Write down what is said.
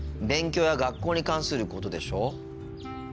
勉強や学校に関することでしょ